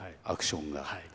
アクションが。